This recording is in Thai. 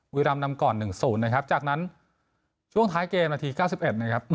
บุรีรำนำก่อน๑๐นะครับจากนั้นช่วงท้ายเกมนาที๙๑นะครับ